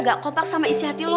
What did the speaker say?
bukan rohim tau